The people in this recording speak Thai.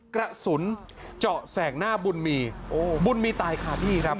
กระสุนเจาะแสงหน้าบุญมีบุญมีตายคาที่ครับ